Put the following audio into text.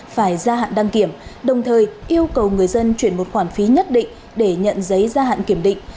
phải ra hạn đăng kiểm đồng thời yêu cầu người dân chuyển một khoản phí nhất định để nhận giấy ra hạn kiểm định